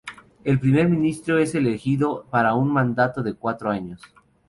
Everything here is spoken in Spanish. El primer ministro es elegido para un mandato de cuatro años.